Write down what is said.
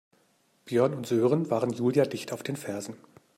Björn und Sören waren Julia dicht auf den Fersen.